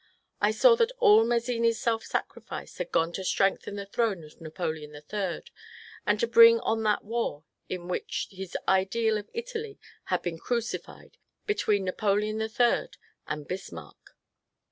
I saw that all Mazzini's self sacrifice had gone to strengthen the throne of Napoleon III, and to bring on that war in which his ideal of Italy had been crucified between Napoleon III and Bis marck.